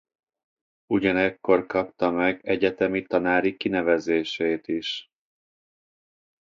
Ugyanekkor kapta meg egyetemi tanári kinevezését is.